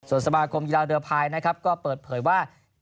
ส่วนสมาคมกีฬาเรือพายนะครับก็เปิดเผยว่า